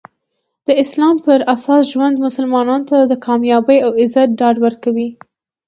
د اسلام پراساس ژوند مسلمانانو ته د کامیابي او عزت ډاډ ورکوي.